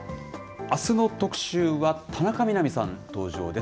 あすの特集は田中みな実さん、登場です。